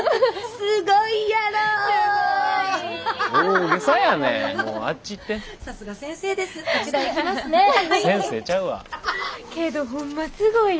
すごいよ。